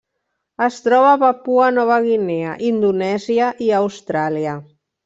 Es troba a Papua Nova Guinea, Indonèsia i Austràlia.